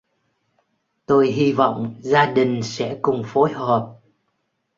Tôi hi vọng gia đình sẽ cùng phối hợp